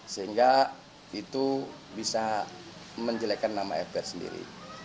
sehingga itu bisa menjelekan nama fpr sendiri